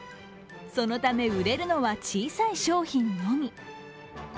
そのため売れるのは小さい商品のみ。